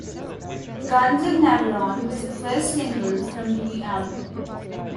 "Guns of Navarone" was the first single from the new album.